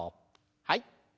はい。